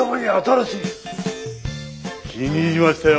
気に入りましたよ